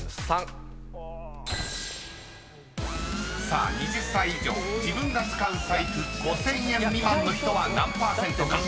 ［さあ２０歳以上自分が使う財布５，０００円未満の人は何％か］